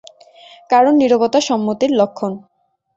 কারণ নিরবতা সম্মতির লক্ষণ।